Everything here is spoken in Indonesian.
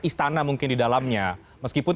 istana mungkin di dalamnya meskipun